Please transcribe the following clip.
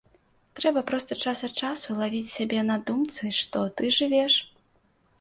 Трэба проста час ад часу лавіць сябе на думцы, што ты жывеш.